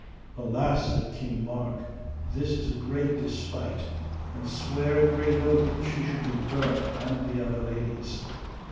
Alas, said King Mark, this is a great despite, and sware a great oath that she should be burnt and the other ladies.